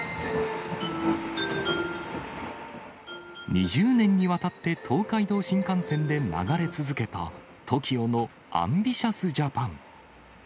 ２０年にわたって東海道新幹線で流れ続けたＴＯＫＩＯのＡＭＢＩＴＩＯＵＳＪＡＰＡＮ！